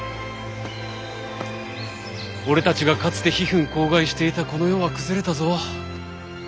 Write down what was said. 俺たちがかつて悲憤慷慨していたこの世は崩れたぞ。